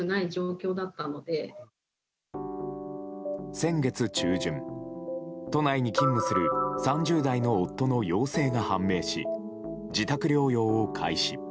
先月中旬、都内に勤務する３０代の夫の陽性が判明し自宅療養を開始。